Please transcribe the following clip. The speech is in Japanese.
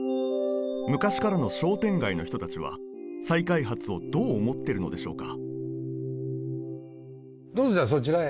昔からの商店街の人たちは再開発をどう思ってるのでしょうかどうぞじゃあそちらへ。